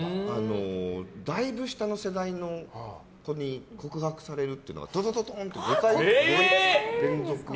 だいぶ下の世代の子に告白されるというのがとととんって５回くらい連続で。